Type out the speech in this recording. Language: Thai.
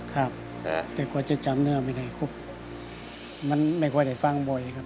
ครับแต่กว่าจะจำเนื้อไม่ได้ครบมันไม่ค่อยได้ฟังบ่อยครับ